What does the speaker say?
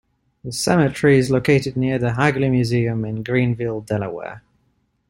The cemetery is located near the Hagley Museum in Greenville, Delaware.